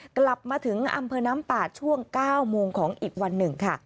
กลับมาถึงอำเภอน้ำป่าช่วง๙โมงของอีกวันหนึ่งค่ะ